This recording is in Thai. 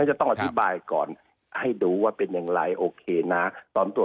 แต่ฉะนั้นต้องอธิบายก่อนให้ดูว่าเป็นอย่างไรโอเคนะ